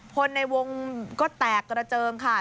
คนในวงก็แตกกระเจิงค่ะ